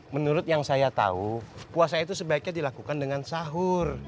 menurut yang saya tahu puasa itu sebaiknya dilakukan dengan sahur